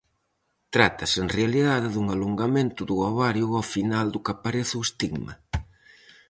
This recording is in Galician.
Trátase en realidade dun alongamento do ovario ao final do que aparece o estigma.